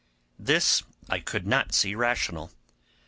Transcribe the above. This I could not see rational.